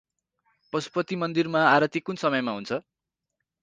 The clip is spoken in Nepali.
पशुपति मन्दिर मा आरती कुन समयमा हुन्छ?